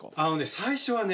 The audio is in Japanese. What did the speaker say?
最初はね